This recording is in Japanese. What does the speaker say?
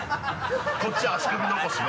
こっち足首残しの。